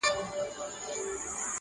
څراغه بلي لمبې وکړه٫